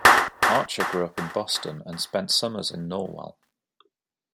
Archer grew up in Boston and spent summers in Norwell.